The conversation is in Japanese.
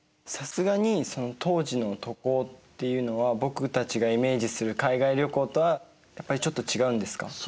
さすがにその当時の渡航っていうのは僕たちがイメージする海外旅行とはやっぱりちょっと違うんですか？